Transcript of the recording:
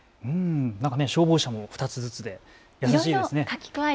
消防車も２つずつで優しいですね。